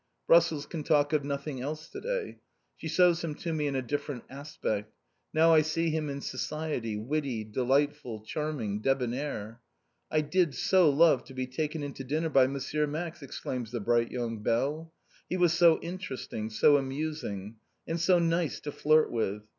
Brussels can talk of nothing else to day. She shows him to me in a different aspect. Now I see him in society, witty, delightful, charming, débonnaire. "I did so love to be taken into dinner by M. Max!" exclaims the bright young belle. "He was so interesting, so amusing. And so nice to flirt with.